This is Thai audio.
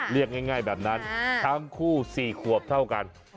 เรียกง่ายแบบนั้นทั้งคู่๔ขวบเท่ากัน